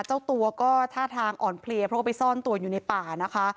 เจ้าตัวก็ท่าทางอ่อนเพลียเพราะว่าไปซ่อนตัวอยู่ในป่านะคะ